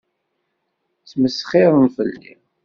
Ttmesxiṛen fell-i.